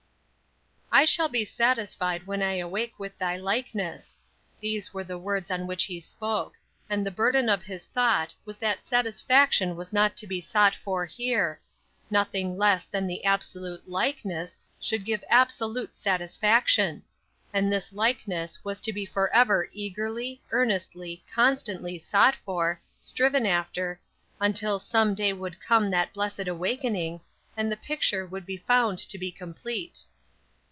"I shall be satisfied when I awake with thy likeness." These were the words on which he spoke; and the burden of his thought was that satisfaction was not to be sought for here; nothing less than the absolute likeness should give absolute satisfaction; and this likeness was to be forever eagerly, earnestly, constantly, sought for, striven after, until some day would come that blessed awakening, and the picture would be found to be complete!